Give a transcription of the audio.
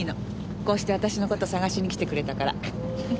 こうして私の事捜しに来てくれたから。